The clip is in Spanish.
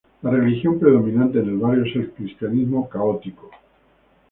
La religión predominante en el barrio es el cristianismo católico.